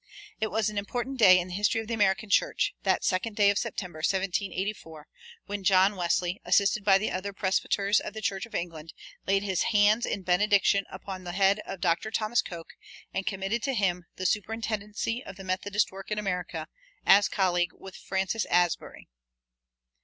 It was an important day in the history of the American church, that second day of September, 1784, when John Wesley, assisted by other presbyters of the Church of England, laid his hands in benediction upon the head of Dr. Thomas Coke, and committed to him the superintendency of the Methodist work in America, as colleague with Francis Asbury.